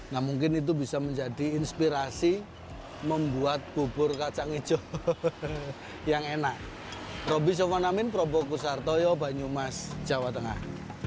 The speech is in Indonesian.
nah mungkin itu bisa menjadi inspirasi membuat bubur kacang hijau yang enak